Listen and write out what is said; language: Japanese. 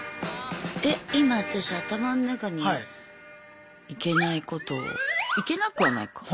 えっ今私頭の中にいけないことをいけなくはないか。